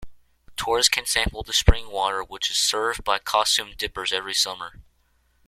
Tourists can sample the spring water which is served by costumed 'Dippers' every summer.